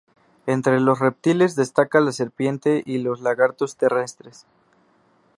Entre los reptiles destaca la serpiente y los lagartos terrestres.